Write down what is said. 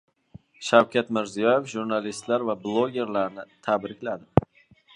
Shavkat Mirziyoyev jurnalistlar va blogerlarni tabrikladi